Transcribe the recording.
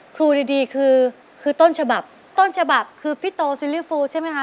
ครูดีดีคือคือต้นฉบับต้นฉบับคือพี่โตซีรีสฟู้ดใช่ไหมคะ